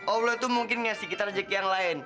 allah itu mungkin ngasih kita rezeki yang lain